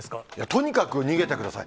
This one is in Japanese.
とにかく逃げてください。